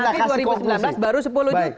tapi dua ribu sembilan belas baru sepuluh ini